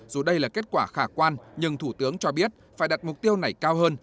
dù đây là kết quả khả quan nhưng thủ tướng cho biết phải đặt mục tiêu này cao hơn